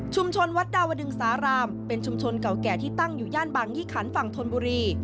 วัดดาวดึงสารามเป็นชุมชนเก่าแก่ที่ตั้งอยู่ย่านบางยี่ขันฝั่งธนบุรี